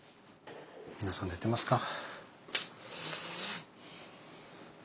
皆さん寝てますか？